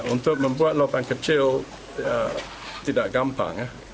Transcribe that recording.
untuk membuat lubang kecil tidak gampang